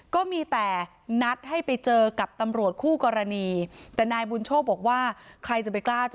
ก็มีแต่นัดให้ไปเจอกับตำรวจคู่กรณีแต่นายบุญโชคบอกว่าใครจะไปกล้าจะ